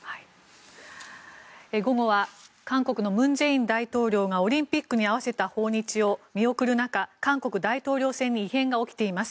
午後は韓国の文在寅大統領がオリンピックに合わせた訪日を見送る中韓国大統領選に異変が起きています。